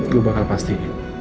gue bakal pasti